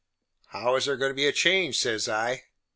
"How is there goin' to be a change?" says I.